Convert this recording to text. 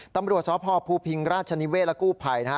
ตำรวจสพภูพิงราชนิเศษและกู้ภัยนะฮะ